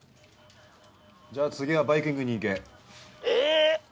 じゃあ次はバイキングに行け。え！